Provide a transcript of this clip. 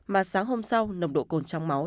mà sáng hôm sau nồng độ cồn trong máu